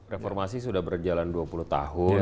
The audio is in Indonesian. reformasi sudah berjalan dua puluh tahun